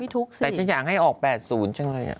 แต่ฉันอยากให้ออก๘๐จังเลย